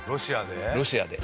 ロシアで？